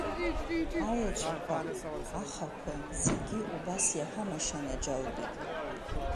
Аеҵәақәа, ахақәа зегьы убас иаҳәамашь анаџьалбеит…